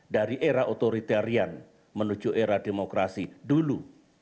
dari era otoritarian menuju era demokrasi dulu